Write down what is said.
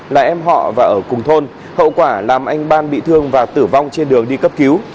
là em họ và ở cùng thôn hậu quả làm anh ban bị thương và tử vong trên đường đi cấp cứu